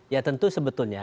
ya tentu sebetulnya